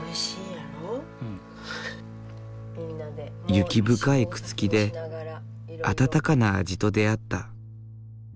雪深い朽木で温かな味と出会った。